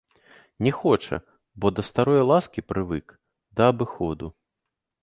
Не хоча, бо да старое ласкі прывык, да абыходу.